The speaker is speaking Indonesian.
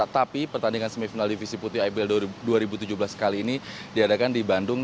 tapi pertandingan semifinal divisi putih ibl dua ribu tujuh belas kali ini diadakan di bandung